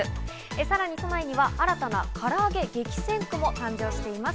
さらに都内には新たなからあげ激戦区も誕生しています。